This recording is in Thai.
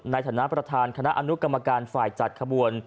ในฐานะประธานคณะอนุกรรมการฝ่ายจัดขบวน